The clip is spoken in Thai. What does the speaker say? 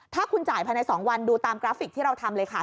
ถ้าคุณจ่ายภายใน๒วันดูตามกราฟิกที่เราทำเลยค่ะ